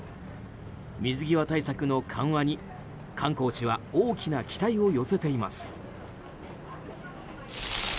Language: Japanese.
水際対策の緩和に観光地は大きな期待を寄せています。